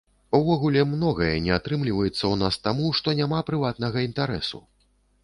Увогуле, многае не атрымліваецца ў нас таму, што няма прыватнага інтарэсу.